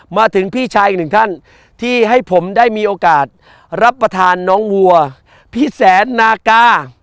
พี่ชายอีกหนึ่งท่านที่ให้ผมได้มีโอกาสรับประทานน้องวัวพี่แสนนากา